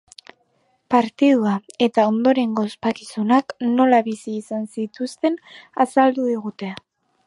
Partidua eta ondorengo ospakizunak nola bizi izan zituzten azaldu digute.